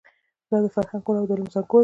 دا د فرهنګ کور او د علم زانګو ده.